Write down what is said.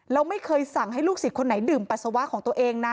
แล้วไม่เคยสั่งให้ลูกศิษย์คนไหนดื่มปัสสาวะของตัวเองนะ